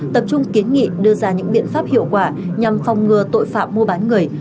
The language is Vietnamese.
tập trung kiến nghị đưa ra những biện pháp hiệu quả nhằm phòng ngừa tội phạm mua bán người